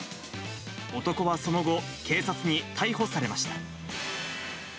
男はその後、警察に逮捕されました。